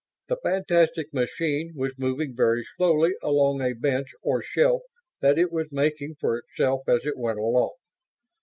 The fantastic machine was moving very slowly along a bench or shelf that it was making for itself as it went along.